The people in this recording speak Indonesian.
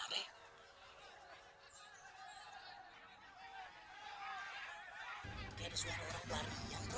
tidak ada suara orang berniang bro